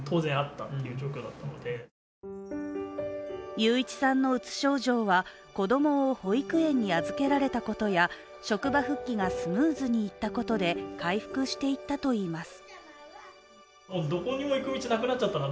勇一さんのうつ症状は子供を保育園に預けられたことや職場復帰がスムーズにいったことで回復していったといいます。